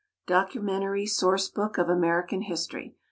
[Documentary Source Book of American History.